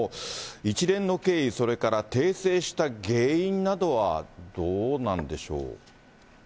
一連の経緯、それから訂正した原因などはどうなんでしょう。